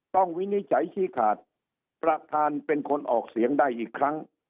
วินิจฉัยชี้ขาดประธานเป็นคนออกเสียงได้อีกครั้ง